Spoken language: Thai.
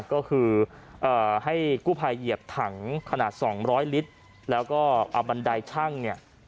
ก็คือให้กู้ภัยเหยียบถังขนาด๒๐๐ลิตรแล้วก็เอาบันไดช่างเนี่ย